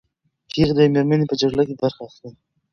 پېغلې او مېرمنې په جګړه کې برخه اخلي.